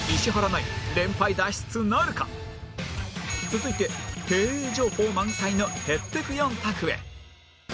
続いて「へえ情報」満載のへってく４択へ